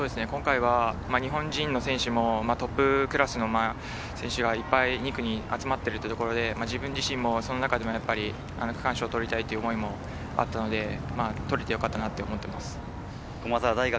日本人の選手もトップクラスの選手がいっぱい２区に集まっているというところで自分自身もその中で区間賞をとりたいという思いもあったので、取れてよかったと思っています。